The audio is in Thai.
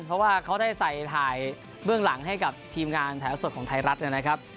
เพราะว่าเขาได้ใส่ถ่ายเบื้องหลังให้กับทีมงานแถวสดของไทยรัฐนะครับ